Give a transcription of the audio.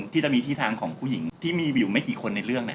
ที่จะมีที่ทางของผู้หญิงที่มีอยู่ไม่กี่คนในเรื่อง